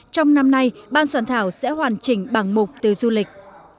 trong năm nay ban soạn thảo sẽ hoàn chỉnh bảng mục từ du lịch